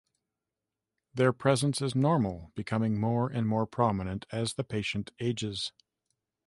Their presence is normal, becoming more and more prominent as the patient ages.